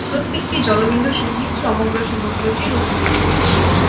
প্রত্যেকটি জলবিন্দুর সহিত সমগ্র সমুদ্রটি রহিয়াছে।